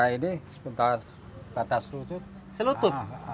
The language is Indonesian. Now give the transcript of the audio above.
ini sepengtar batas lutut